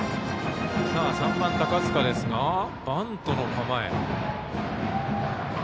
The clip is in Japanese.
３番、高塚はバントの構え。